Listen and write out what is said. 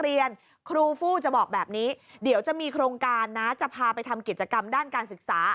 เรียนครูฟู้จะบอกแบบนี้เดี๋ยวจะมีโครงการนะจะพาไปทำกิจกรรมด้านการศึกษา